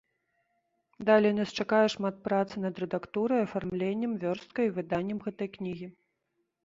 Далей нас чакае шмат працы над рэдактурай, афармленнем, вёрсткай і выданнем гэтай кнігі.